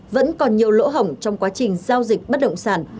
vẫn còn nhiều lỗ hỏng trong quá trình giao dịch bất đồng sản